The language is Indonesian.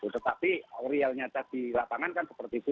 tetapi realnya tadi lapangan kan seperti itu